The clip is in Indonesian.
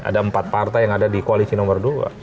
ada empat partai yang ada di koalisi nomor dua